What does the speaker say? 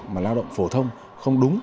mà lao động phổ thông không đúng